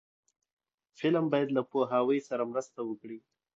فلم باید له پوهاوي سره مرسته وکړي